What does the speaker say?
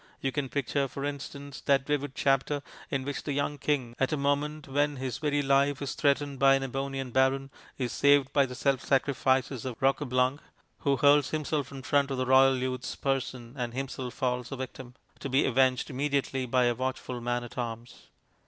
You can picture, for instance, that vivid chapter in which the young king, at a moment when his very life is threatened by an Ebonian baron, is saved by the self sacrifices of Roqueblanc, who hurls himself in front of the royal youth's person and himself falls a victim, to be avenged immediately by a watchful man at arms.